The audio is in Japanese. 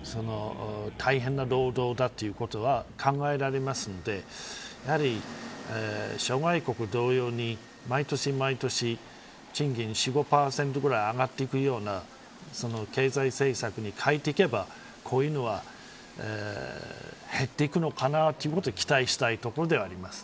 大変な労働だということは考えられますのでやはり諸外国同様に毎年毎年賃金が４から５％くらい上がっていくような経済政策に変えていけばこういうのは減っていくのかなということを期待したいところではあります。